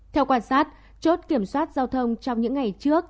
theo quan sát chốt kiểm soát giao thông trong những ngày trước